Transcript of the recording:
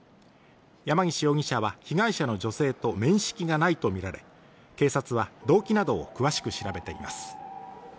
山岸容疑者は被害者の女性と面識がないとみられ、警察は動機などを詳しく調べています。